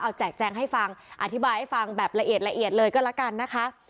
เอาแจกแจงให้ฟังอธิบายให้ฟังแบบละเอียดละเอียดเลยก็แล้วกันนะคะ